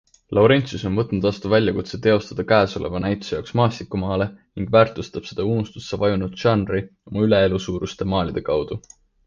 Laurentsius on võtnud vastu väljakutse teostada käesoleva näituse jaoks maastikumaale ning väärtustab seda unustusse vajunud žanri oma üleelusuuruste maalide kaudu.